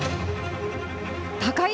高い！